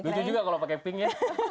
lucu juga kalau pakai pink ya